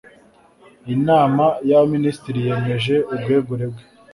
inama y abaminisitiri yemeje ubwegure bwe